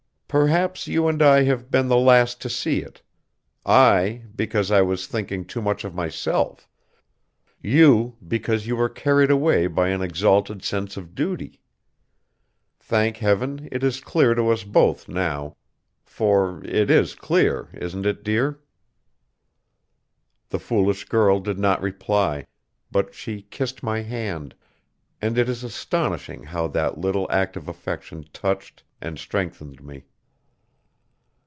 Perhaps you and I have been the last to see it, I, because I was thinking too much of myself, you, because you were carried away by an exalted sense of duty. Thank heaven it is clear to us both now. For it is clear, isn't it, dear?" The foolish girl did not reply, but she kissed my hand, and it is astonishing how that little act of affection touched and strengthened me.